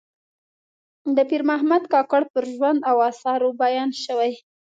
د پیر محمد کاکړ پر ژوند او آثارو بیان شوی.